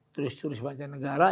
tulis tulis baca negara